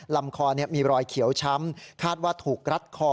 ลำคอมีรอยเขียวช้ำคาดว่าถูกรัดคอ